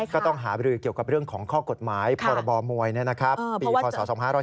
ก็ต้องหาบรือเกี่ยวกับเรื่องของข้อกฎหมายพรบมวยปีพศ๒๕๔